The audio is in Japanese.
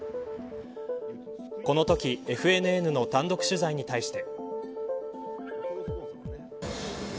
このときＦＮＮの単独取材に対して。